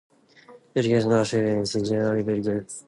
Educational achievement is generally very good.